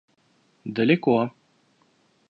Далеко.